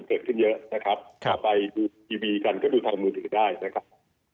เกิดขึ้นเยอะนะครับก็ไปดูทีวีกันก็ดูทางมือถือได้นะครับ